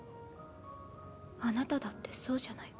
あなただってそうじゃないか。